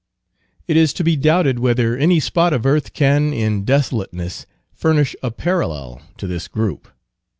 It is to be doubted whether any spot of earth can, in desolateness, furnish a parallel to this group.